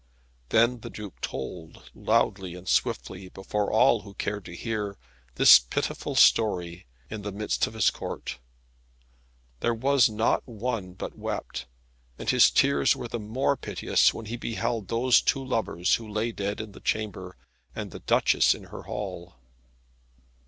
Then the Duke told loudly and swiftly, before all who cared to hear, this pitiful story, in the midst of his Court. There was not one but wept, and his tears were the more piteous when he beheld those two lovers who lay dead in the chamber, and the Duchess in her hall.